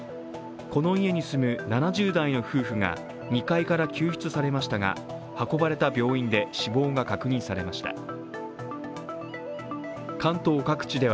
この家に住む７０代の夫婦が２階から救出されましたが運ばれた病院で死亡が確認されました。